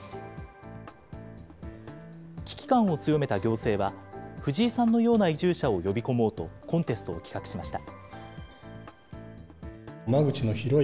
危機感を強めた行政は、藤井さんのような移住者を呼び込もうとコンテストを企画しました。